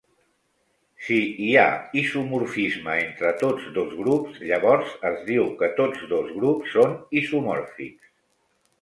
Si hi ha isomorfisme entre tots dos grups, llavors es diu que tots dos grups són isomòrfics.